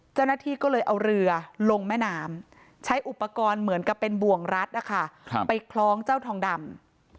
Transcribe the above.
เจ้าหน้าที่ก็เลยเอาเรือลงแม่น้ำใช้อุปกรณ์เหมือนกับเป็นบ่วงรัดนะคะไปคล้องเจ้าทองดำ